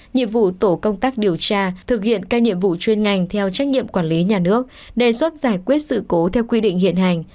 nhiệm vụ tổ công tác điều tra thực hiện các nhiệm vụ chuyên ngành theo trách nhiệm quản lý nhà nước đề xuất giải quyết sự cố theo quy định hiện hành